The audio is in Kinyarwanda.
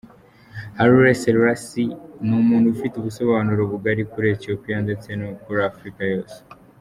Haile Selassie ni umuntu ufite ubusobanuro bugari kuri Ethiopia ndetse no kuri Afurika yose.